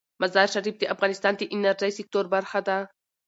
مزارشریف د افغانستان د انرژۍ سکتور برخه ده.